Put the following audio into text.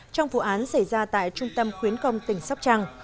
trong vụ án xảy ra tại trung tâm khuyến công tỉnh sóc trăng